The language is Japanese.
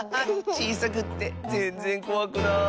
ちいさくってぜんぜんこわくない。